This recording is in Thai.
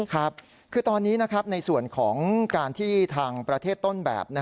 ครับคือตอนนี้ในส่วนของการที่ทางประเทศต้นแบบ